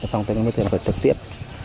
phòng tài nguyên tiền phải trực tiếp